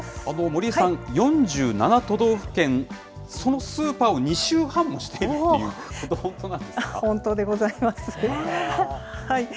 森井さん、４７都道府県、そのスーパーを２周半もしていると本当でございます。